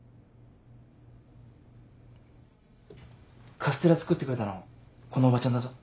カステラ作ってくれたのこのおばちゃんだぞ。